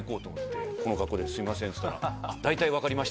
この格好ですいませんっつったら。